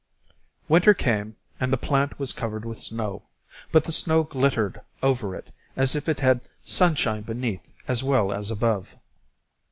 Winter came, and the plant was covered with snow, but the snow glittered over it as if it had sunshine beneath as well as above.